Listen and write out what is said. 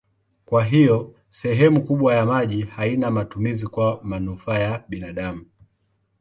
Kwa hiyo sehemu kubwa ya maji haina matumizi kwa manufaa ya binadamu.